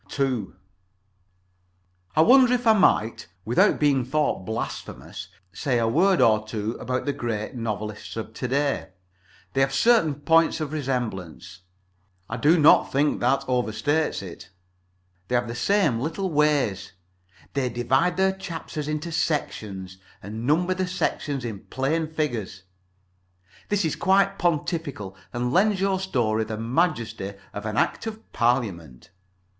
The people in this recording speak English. II I wonder if I might, without being thought blasphemous, say a word or two about the Great Novelists of to day. They have certain points of resemblance. I do not think that over states it. [Pg vi]They have the same little ways. They divide their chapters into sections, and number the sections in plain figures. This is quite pontifical, and lends your story the majesty of an Act of Parliament.